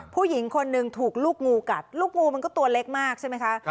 ผู้หญิงคนหนึ่งถูกลูกงูกัดลูกงูมันก็ตัวเล็กมากใช่ไหมคะ